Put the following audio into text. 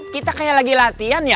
kita kayak lagi latihan ya